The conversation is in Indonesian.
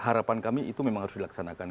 harapan kami itu memang harus dilaksanakan